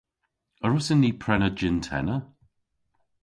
A wrussyn ni prena jynn-tenna?